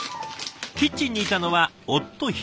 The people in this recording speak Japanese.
キッチンにいたのは夫英明さん。